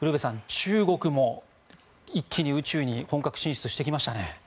中国も、一気に宇宙に本格進出してきましたね。